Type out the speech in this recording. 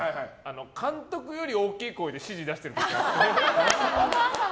監督より大きい声で指示出してる時あって。